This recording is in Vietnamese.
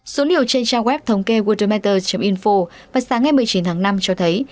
số liều trên trang web thống kê world matters info vào sáng ngày một mươi chín tháng năm cho thấy